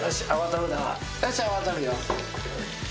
よし泡取るよ。